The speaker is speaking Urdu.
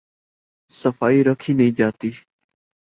صفائی رکھی نہیں جاتی۔